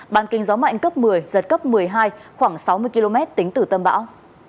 bàn kinh gió mạnh cấp một mươi giật cấp một mươi hai khoảng sáu mươi km tính từ tâm bão